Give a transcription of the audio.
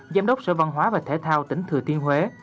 giám đốc sở văn hóa và thể thao tỉnh thừa thiên huế